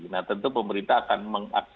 nah tentu pemerintah akan mengakses